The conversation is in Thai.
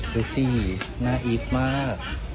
ดูสิน่าอีฟมาก